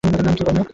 নাম কি, বল না!